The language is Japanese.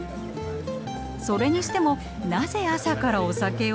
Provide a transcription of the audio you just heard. それにしてもなぜ朝からお酒を？